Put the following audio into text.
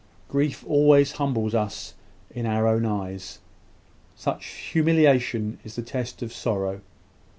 Grief always humbles us in our own eyes. Such humiliation is the test of sorrow.